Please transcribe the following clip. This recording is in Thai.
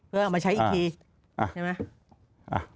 เห็นไหม